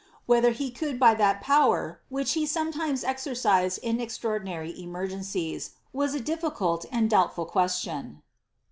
Whether he could by that power, which he • exercised in extraordinary emergencies, was a difficult and question."